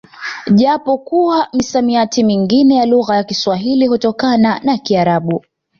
Japo kuwa misamiti mingine ya lugha ya kiswahili hutokana na kiarabu